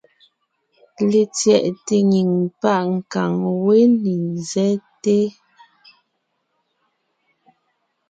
Letsyɛʼte nyìŋ páʼ nkàŋ wé ne ńzɛ́te.